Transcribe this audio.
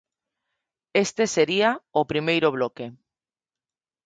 Este sería o primeiro bloque.